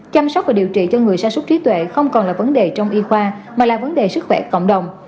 chăm sóc và điều trị cho người xa suốt trí tuệ không còn là vấn đề trong y khoa mà là vấn đề sức khỏe cộng đồng